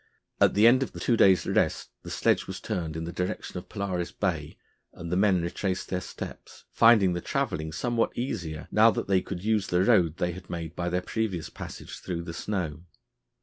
At the end of the two days' rest the sledge was turned in the direction of Polaris Bay and the men retraced their steps, finding the travelling somewhat easier now that they could use the road they had made by their previous passage through the snow.